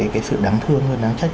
cái sự đáng thương và đáng trách